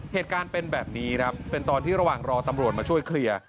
เหตุการณ์เป็นแบบนี้ครับเป็นตอนที่ระหว่างรอตำรวจมาช่วยเคลียร์